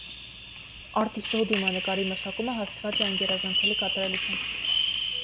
Արտիստուհու դիմանկարի մշակումը հասցված է անգերազանցելի կատարելության։